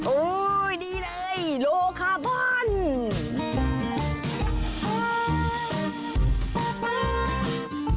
โอ้ยดีเลยโลคาร์บอน